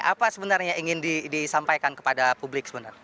apa sebenarnya yang ingin disampaikan kepada publik sebenarnya